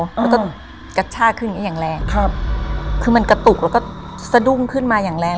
แล้วก็กัชช่าขึ้นอย่างแรงคือมันกระตุกแล้วก็สะดุ้งขึ้นมาอย่างแรง